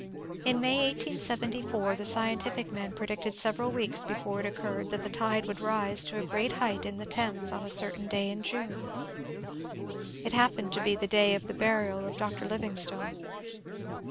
In May, 1874, the scientific men predicted several weeks before it occurred that the tide would rise to a great height in the Thames on a certain day in June. It happened to be the day of the burial of Dr. Livingstone.